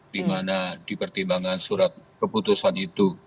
dimana dipertimbangkan surat keputusan itu